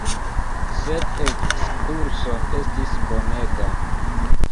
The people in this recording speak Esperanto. Sed ekskurso estis bonega.